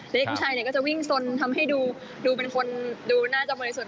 เด็กผู้ชายก็จะวิ่งสนทำให้ดูเป็นคนดูน่าจะบริสุทธิ